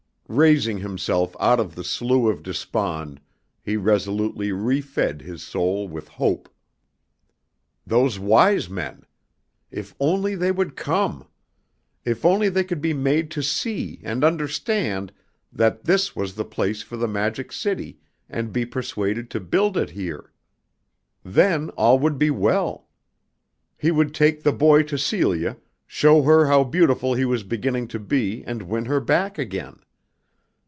Raising himself out of the slough of despond, he resolutely re fed his soul with hope. Those Wise Men! If only they could come! If only they could be made to see and understand that this was the place for their Magic City and be persuaded to build it here! Then all would be well. He would take the boy to Celia, show her how beautiful he was beginning to be and win her back again.